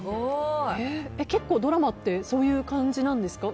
結構ドラマってそんな感じなんですか？